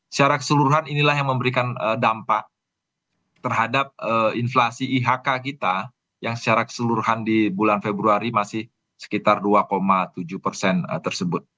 secara keseluruhan inilah yang memberikan dampak terhadap inflasi ihk kita yang secara keseluruhan di bulan februari masih sekitar dua tujuh persen tersebut